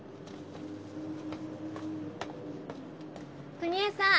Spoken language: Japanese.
邦枝さん！